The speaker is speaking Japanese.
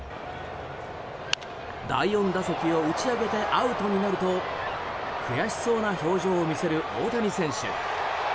第４打席を打ち上げてアウトになると悔しそうな表情を見せる大谷選手。